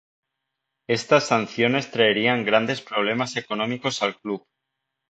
Estas sanciones traerían grandes problemas económicos al club.